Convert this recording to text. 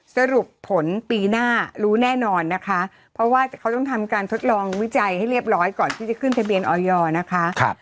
สรุปผลปีหน้ารู้แน่นอนนะคะเพราะว่าเขาต้องทำการทดลองวิจัยให้เรียบร้อยก่อนที่จะขึ้นทะเบียนออยอร์นะคะ